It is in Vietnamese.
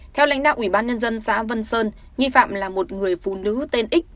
theo lãnh đạo ủy ban nhân dân xã vân sơn nghi phạm là một người phụ nữ tên x